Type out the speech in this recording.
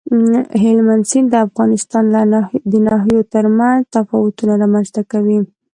هلمند سیند د افغانستان د ناحیو ترمنځ تفاوتونه رامنځ ته کوي.